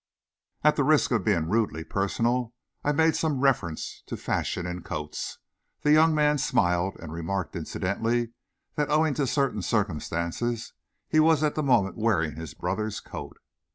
At the risk of being rudely personal, I made some reference to fashions in coats. The young man smiled and remarked incidentally, that owing to certain circumstances he was at the moment wearing his brother's coat.